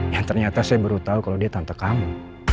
yang ternyata saya baru tahu kalau dia tante kamu